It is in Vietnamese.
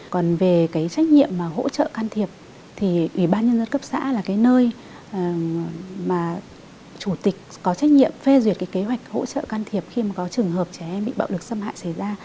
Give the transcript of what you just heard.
còn về cái trách nhiệm mà hỗ trợ can thiệp thì ủy ban nhân dân cấp xã là cái nơi mà chủ tịch có trách nhiệm phê duyệt cái kế hoạch hỗ trợ can thiệp khi mà có trường hợp trẻ em bị bạo lực xâm hại xảy ra